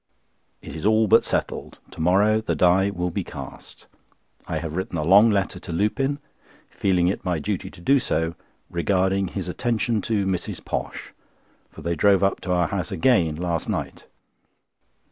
It is all but settled. To morrow the die will be cast. I have written a long letter to Lupin—feeling it my duty to do so,—regarding his attention to Mrs. Posh, for they drove up to our house again last night.